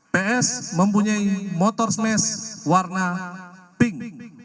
ps mempunyai motor smash warna pink